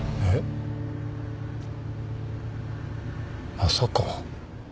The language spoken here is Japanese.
まさか。